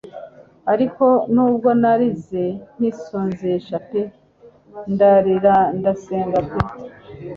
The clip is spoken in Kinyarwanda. Ariko nubwo narize nkisonzesha pe ndarira ndasenga pe